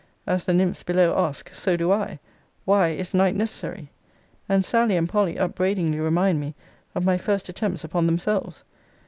As the nymphs below ask, so do I, Why is night necessary? And Sally and Polly upbraidingly remind me of my first attempts upon themselves.